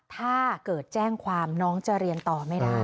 ถ้าเกิดแจ้งความน้องจะเรียนต่อไม่ได้